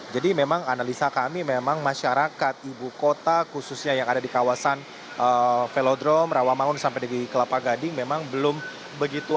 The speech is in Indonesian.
jadi memang analisa kami memang masyarakat ibu kota khususnya yang ada di kawasan velodrome rawa mangun sampai di kelapa gading memang belum begitu